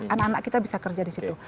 anak anak kita bisa kerja di situ